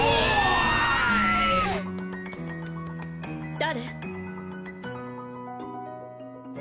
誰？